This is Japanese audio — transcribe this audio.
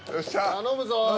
頼むぞ。